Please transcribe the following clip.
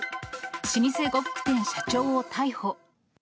老舗呉服店社長を逮捕。